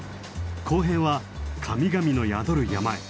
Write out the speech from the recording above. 後編は神々の宿る山へ。